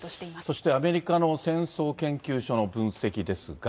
そしてアメリカの戦争研究所の分析ですが。